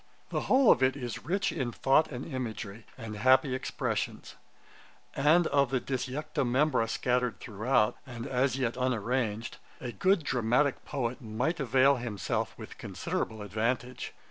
The whole of it is rich in thought and imagery, and happy expressions; and of the disjecta membra scattered throughout, and as yet unarranged, a good dramatick poet might avail himself with considerable advantage.